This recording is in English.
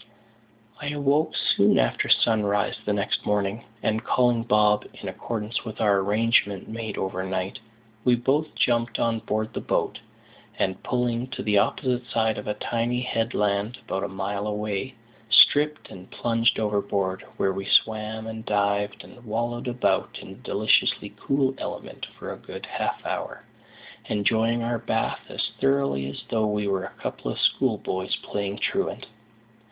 I awoke soon after sunrise the next morning, and, calling Bob, in accordance with an arrangement made overnight, we both jumped on board the boat, and, pulling to the opposite side of a tiny headland about a mile away, stripped and plunged overboard, where we swam and dived, and wallowed about in the deliciously cool element for a good half hour, enjoying our bath as thoroughly as though we were a couple of school boys playing truant.